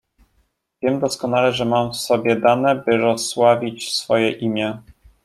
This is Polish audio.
"Wiem doskonale, że mam w sobie dane, by rozsławić swoje imię."